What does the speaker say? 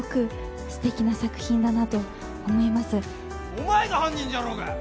「お前が犯人じゃろうが」